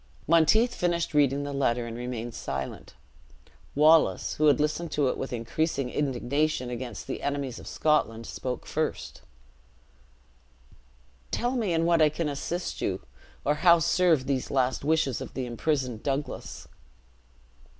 '" Monteith finished reading the letter, and remained silent. Wallace, who had listened to it with increasing indignation against the enemies of Scotland, spoke first: "Tell me in what I can assist you: or how serve these last wishes of the imprisoned Douglas."